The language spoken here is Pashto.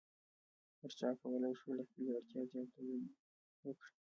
هر چا کولی شو له خپلې اړتیا زیات تولید وکړي.